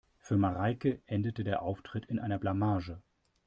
Für Mareike endete der Auftritt in einer Blamage.